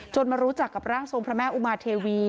มารู้จักกับร่างทรงพระแม่อุมาเทวี